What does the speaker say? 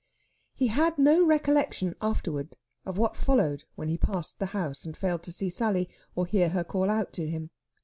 He had no recollection afterwards of what followed when he passed the house and failed to see Sally or hear her call out to him.